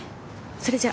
それじゃ。